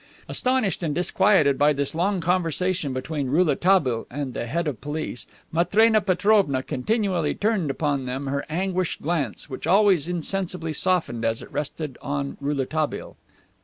Astonished and disquieted by this long conversation between Rouletabille and the Head of Police, Matrena Petrovna continually turned upon them her anguished glance, which always insensibly softened as it rested on Rouletabille.